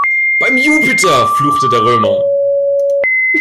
"Beim Jupiter!", fluchte der Römer.